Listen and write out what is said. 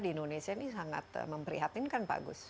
di indonesia ini sangat memprihatinkan pak gus